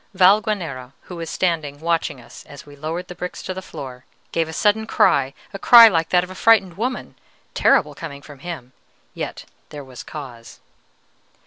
Valguanera, who was standing watching us as we lowered the bricks to the floor, gave a sudden cry, a cry like that of a frightened woman, terrible, coming from him. Yet there was cause.